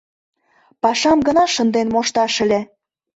Пашам гына шынден мошташ ыле...